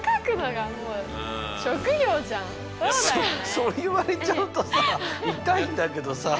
そう言われちゃうとさ痛いんだけどさ。